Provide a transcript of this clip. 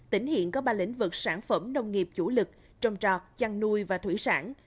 tỉnh hiện có ba lĩnh vực sản phẩm nông nghiệp chủ lực trồng trọt chăn nuôi và thủy sản